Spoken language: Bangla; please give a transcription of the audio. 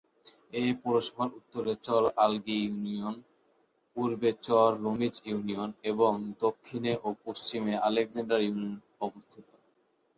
এ পৌরসভার উত্তরে চর আলগী ইউনিয়ন, পূর্বে চর রমিজ ইউনিয়ন এবং দক্ষিণে ও পশ্চিমে আলেকজান্ডার ইউনিয়ন অবস্থিত।